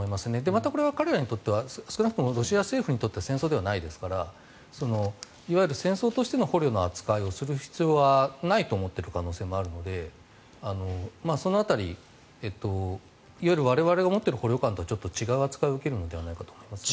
またこれは彼らにとっては少なくともロシア政府にとっては戦争ではないですからいわゆる戦争としての捕虜の扱いをする必要はないと思っている可能性もあるのでその辺り我々が思っている捕虜観とちょっと違う扱いを受けるのではと思います。